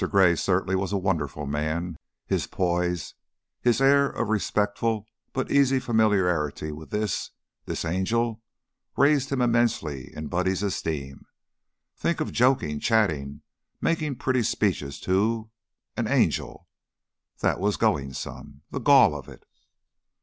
Gray certainly was a wonderful man. His poise, his air of respectful but easy familiarity with this this angel raised him immensely in Buddy's esteem. Think of joking, chatting, making pretty speeches to an an angel! That was going some. The gall of it!